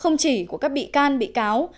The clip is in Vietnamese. không chỉ của các bị can bị cáo